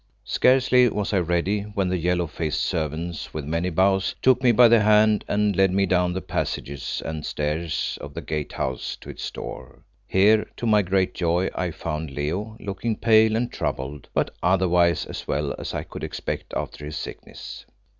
Scarcely was I ready when the yellow faced servants, with many bows, took me by the hand and led me down the passages and stairs of the Gate house to its door. Here, to my great joy, I found Leo, looking pale and troubled, but otherwise as well as I could expect after his sickness.